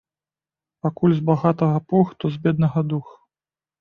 Пакуль з багатага пух, то з беднага дух.